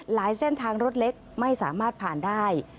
เส้นทางรถเล็กไม่สามารถผ่านได้